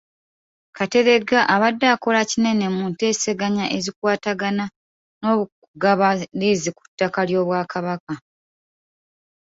Kateregga abadde akola kinene mu nteeseganya ezikwatagana n’okugaba liizi ku ttaka ly’Obwakabaka.